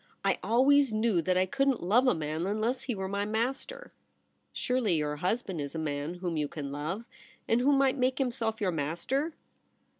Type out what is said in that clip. I always knew that I couldn't love a man unless he were my master.' * Surely your husband is a man whom you can love, and who might make himself your master